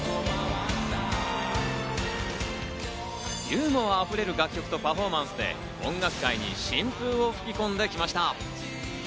ユーモア溢れる楽曲とパフォーマンスで音楽界に新風を吹き込んできました。